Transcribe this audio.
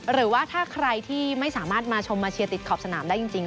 หรือว่าถ้าใครที่ไม่สามารถมาชมมาเชียร์ติดขอบสนามได้จริง